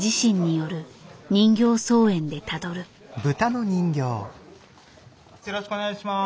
よろしくお願いします。